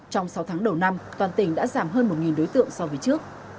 trong sáu tháng đầu năm toàn tỉnh đã giảm hơn một đối tượng so với trước